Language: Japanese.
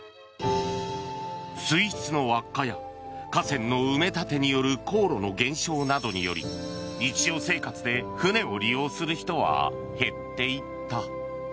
水質の悪化や河川の埋め立てによる航路の減少などにより日常生活で船を利用する人は減っていった。